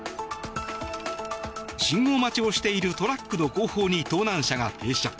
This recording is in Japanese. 信号待ちをしているトラックの後方に盗難車が停車。